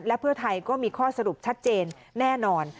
และเพื่อไทยก็มีข้อสรุปชัดเจนแน่นอน